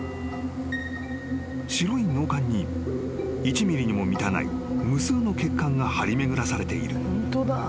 ［白い脳幹に１ｍｍにも満たない無数の血管が張り巡らされている］